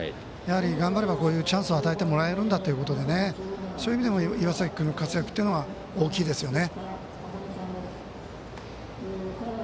頑張れば、こういうチャンスを与えてもらえるんだということでそういう意味でも岩崎君の活躍、大きいですよね。